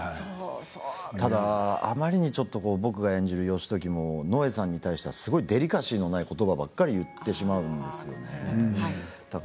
ただ、あまりにちょっと僕が演じる義時ものえさんについてはデリカシーのないことばかり言ってしまうんですよ。